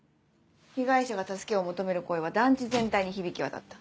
被害者が助けを求める声は団地全体に響き渡った。